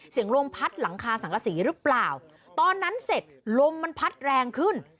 ลมพัดหลังคาสังกษีหรือเปล่าตอนนั้นเสร็จลมมันพัดแรงขึ้น